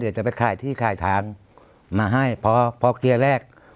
เขาจะเป็นที่ขายทางมาให้พอเกียร์แรก